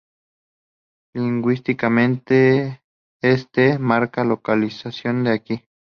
Lingüísticamente es Te': Marca localización de aquí.